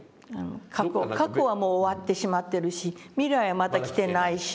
過去はもう終わってしまっているし未来はまだ来てないでしょ。